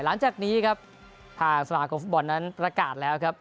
หลังจากนี้ครับทางสมาคมฟุตบอลนั้นประกาศแล้วครับ